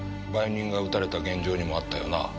売人が撃たれた現場にもあったよな？